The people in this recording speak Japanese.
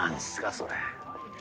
それ。